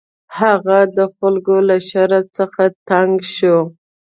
هغه د خلکو له شر څخه تنګ شو.